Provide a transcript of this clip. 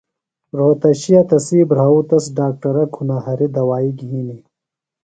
رھوتشیہ تسی بھراؤ تس ڈاکٹرہ کُھنہ ہریۡ دوائی گِھینیۡ۔